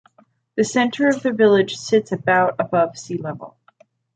The center of the village sits about above sea level.